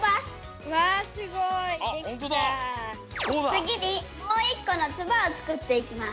つぎにもう１このつばをつくっていきます。